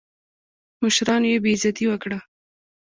مشرانو یې بېعزتي وکړه.